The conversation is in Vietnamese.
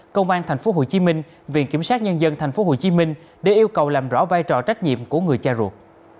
công an tp hcm viện kiểm sát nhân dân tp hcm để yêu cầu làm rõ vai trò trách nhiệm của người cha ruột